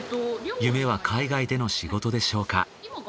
夢は海外での仕事でしょうか？